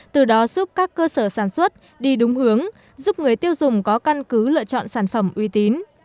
từ đó giúp các cơ sở sản xuất đi đúng hướng giúp người tiêu dùng có căn cứ lựa chọn sản phẩm uy tín